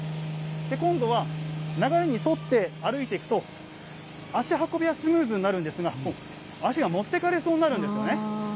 今度は、流れに沿って歩いていくと、足運びはスムーズになるんですが、足が持ってかれそうになるんですよね。